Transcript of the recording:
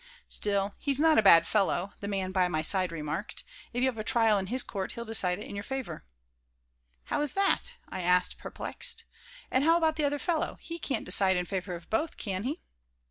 "Still, he's not a bad fellow," the man by my side remarked. "If you have a trial in his court he'll decide it in your favor." "How is that?" I asked, perplexed. "And how about the other fellow? He can't decide in favor of both, can he?"